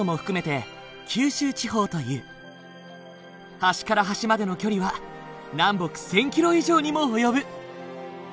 端から端までの距離は南北１，０００キロ以上にも及ぶ。